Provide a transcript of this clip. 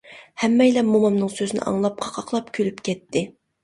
ھەممەيلەن مومامنىڭ سۆزىنى ئاڭلاپ قاقاقلاپ كۈلۈپ كەتتى.